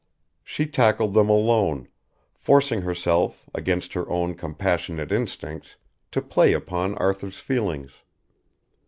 She tackled them alone, forcing herself, against her own compassionate instincts, to play upon Arthur's feelings.